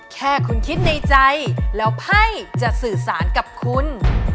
แค่คุณคิดในใจแล้วไพ่จะสื่อสารกับคุณ